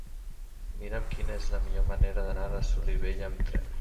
Mira'm quina és la millor manera d'anar a Solivella amb tren.